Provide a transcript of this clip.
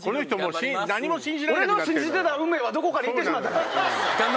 俺の信じてた運命はどこかに行ってしまったから。